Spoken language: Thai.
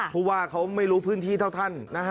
ผู้ว่าเขาไม่รู้พื้นที่เท่าท่านนะฮะ